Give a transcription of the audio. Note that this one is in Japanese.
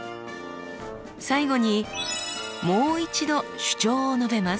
最後にもう一度主張を述べます。